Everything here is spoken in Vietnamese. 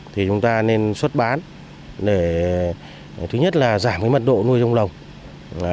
thì chúng ta nên xuất bán để thứ nhất là giảm cái mật độ nuôi trong lồng